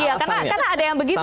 karena ada yang begitu kan